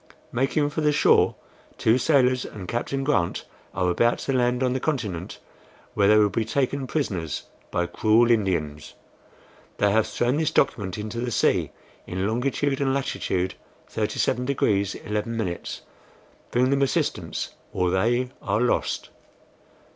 Making for the shore, two sailors and Captain Grant are about to land on the continent, where they will be taken prisoners by cruel Indians. They have thrown this document into the sea, in longitude and latitude 37 degrees 11". Bring them assistance, or they are lost."